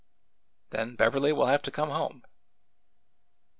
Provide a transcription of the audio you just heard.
" Then Beverly will have to come home."